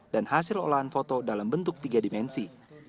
dan hasil olahan foto dalam bentuk tiga dimensi